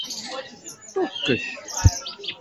Ṭukkek.